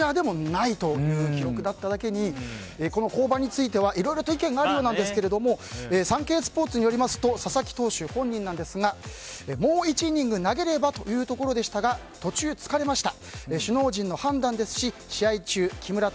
ただ、日本球界でもメジャーでもないという記録だっただけに降板についてはいろいろと意見があるようですがサンケイスポーツによりますと佐々木投手本人ですがもう１イニング投げればというところでしたが途中、疲れました。